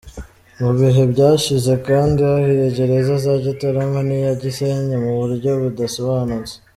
Mu bihe byashize kandi hahiye gereza za Gitarama n'iya Gisenyi mu buryo budasobanutse .